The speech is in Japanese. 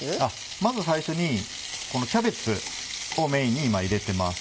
まず最初にこのキャベツをメインに今入れてます。